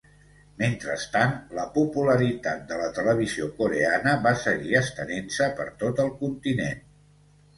Mentrestant, la popularitat de la televisió coreana va seguir estenent-se per tot el continent.